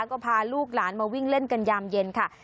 ก็พาลูกหลานมาวิ่งเล่นกันยามเย็นค่ะ